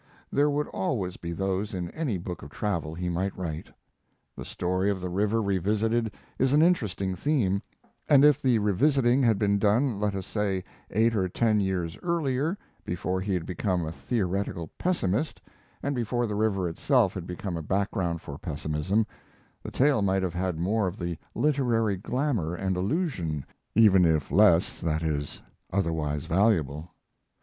There would always be those in any book of travel he might write. The story of the river revisited is an interesting theme; and if the revisiting had been done, let us say eight or ten years earlier, before he had become a theoretical pessimist, and before the river itself had become a background for pessimism, the tale might have had more of the literary glamour and illusion, even if less that is otherwise valuable.